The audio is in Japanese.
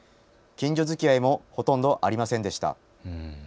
近所づきあいもほとんどありませんでした。